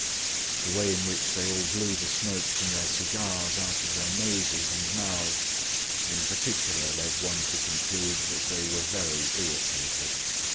The way in which they all blew the smoke from their cigars out of their noses and mouths in particular led one to conclude that they were very irritated.